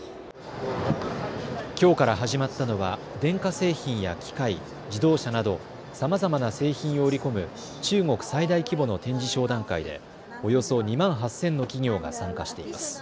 きょうから始まったのは電化製品や機械、自動車などさまざまな製品を売り込む中国最大規模の展示商談会でおよそ２万８０００の企業が参加しています。